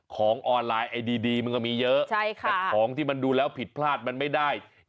ของออนไลน์ไอดีมันก็มีเยอะแต่ของที่มันดูแล้วผิดพลาดมันไม่ได้